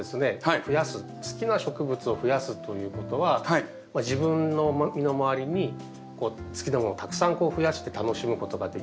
増やす好きな植物を増やすということは自分の身の回りに好きなものをたくさん増やして楽しむことができる。